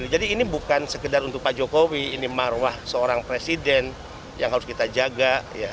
jadi ini bukan sekedar untuk pak jokowi ini marwah seorang presiden yang harus kita jaga